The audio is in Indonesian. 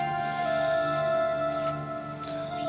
angkatlah dia sebagai anak jenis